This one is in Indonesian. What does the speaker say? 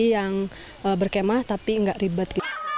gak berkemah tapi gak ribet